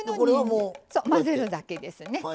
そう混ぜるだけですね。